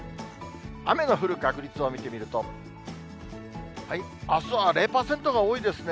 雨の降る確率を見てみると、あすは０％が多いですね。